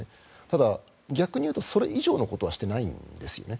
ただ、逆に言うとそれ以上のことはしていないんですね。